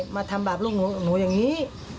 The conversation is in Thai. มาทำบาปลูกหนูอย่างนี้